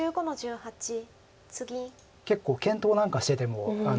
結構検討なんかしてても。